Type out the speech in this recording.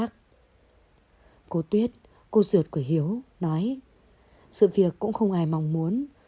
cô tuyết cô ruột của hiếu nói sự việc cũng không ai mong muốn